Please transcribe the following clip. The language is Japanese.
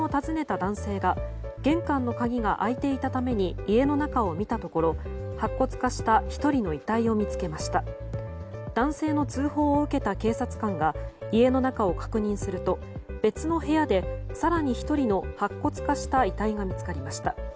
男性の通報を受けた警察官が家の中を確認すると別の部屋で、更に１人の白骨化した遺体が見つかりました。